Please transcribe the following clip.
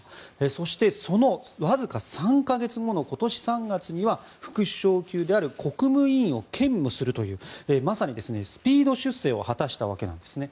そして、そのわずか３か月後の今年３月には副首相級である国務委員を兼務するというまさにスピード出世を果たしたわけなんです。